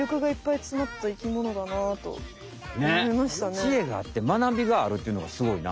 知恵があって学びがあるっていうのがすごいな！